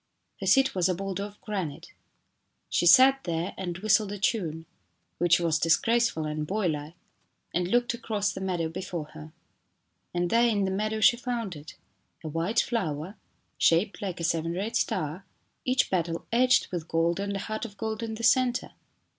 Her seat was a boulder of granite. She sat there and whistled a tune which was dis graceful and boylike and looked across the meadow before her. And there in the meadow she found it a white flower, shaped like a seven rayed star, each petal edged with gold and a heart of gold in the centre.